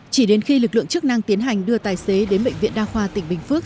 chỉ đến khi lực lượng chức năng tiến hành đưa tài xế đến bệnh viện đa khoa tỉnh bình phước